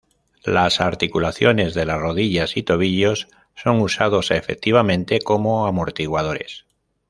Las articulaciones de las rodillas y tobillos son usados efectivamente como amortiguadores.